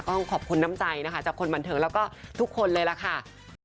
ต้องขอบคุณน้ำใจนะคะจากคนบันเทิงแล้วก็ทุกคนเลยล่ะค่ะ